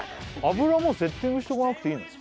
油セッティングしとかなくていいの？